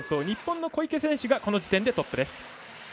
日本の小池選手がこの時点でトップです。